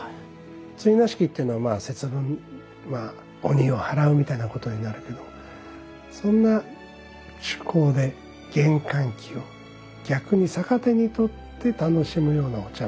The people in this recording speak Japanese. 追儺式っていうのはまあ節分鬼をはらうみたいなことになるけどそんな趣向で厳寒期を逆に逆手に取って楽しむようなお茶もねしていけるので。